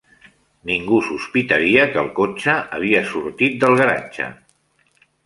Ningú sospitaria que el cotxe havia sortit del garatge.